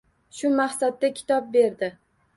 Shu maqsadda kitob berdi.